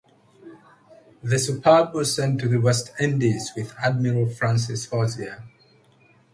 The "Superb" was sent to the West Indies with Admiral Francis Hosier.